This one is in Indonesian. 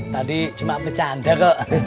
tadi cuma bercanda kok